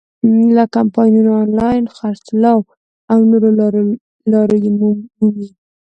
له کمپاینونو، آنلاین خرڅلاو او نورو لارو یې مومي.